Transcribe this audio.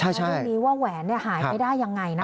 ช้าใช่ตรงนี้ว่าแหวนนี่หายไปได้อย่างไรนะ